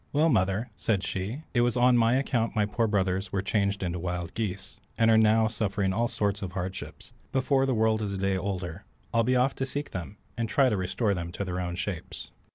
"Well, mother," said she, "it was on my account my poor brothers were changed into wild geese, and are now suffering all sorts of hardship; before the world is a day older, I'll be off to seek them, and try to restore them to their own shapes."